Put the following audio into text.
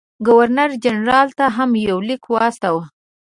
ګورنر جنرال ته هم یو لیک واستاوه.